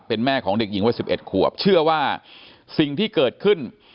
เป็นแม่ของเด็กหญิงวัย๑๑ขวบเชื่อว่าสิ่งที่เกิดขึ้น